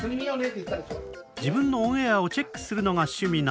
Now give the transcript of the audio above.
自分のオンエアをチェックするのが趣味なのだ。